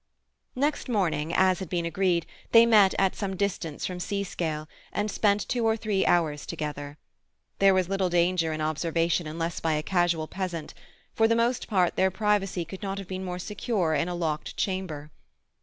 Next morning, as had been agreed, they met at some distance from Seascale, and spent two or three hours together. There was little danger in observation unless by a casual peasant; for the most part their privacy could not have been more secure in a locked chamber.